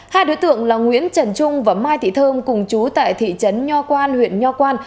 hai đối tượng là nguyễn trần trung và mai thị thơm cùng chú tại thị trấn nho quan huyện nho quan